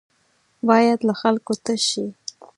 بايد له خلکو تش شي.